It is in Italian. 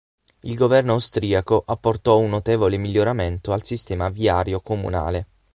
Il governo austriaco apportò un notevole miglioramento al sistema viario comunale.